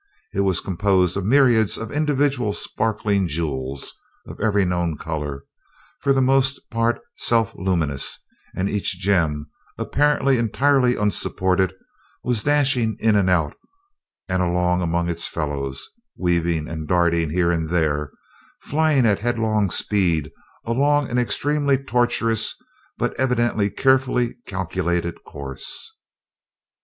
It was composed of myriads of individual sparkling jewels, of every known color, for the most part self luminous; and each gem, apparently entirely unsupported, was dashing in and out and along among its fellows, weaving and darting here and there, flying at headlong speed along an extremely tortuous, but evidently carefully calculated course.